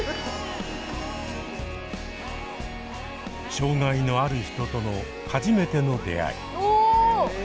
障害のある人との初めての出会い。